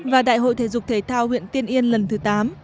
và đại hội thể dục thể thao huyện tiên yên lần thứ tám